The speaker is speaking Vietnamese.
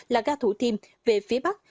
là ga thủ thiêm về phía bắc